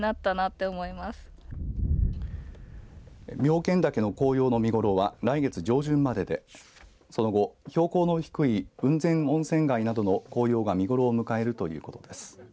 妙見岳の紅葉の見頃は来月上旬まででその後標高の低い雲仙温泉街などの紅葉が見頃を迎えるということです。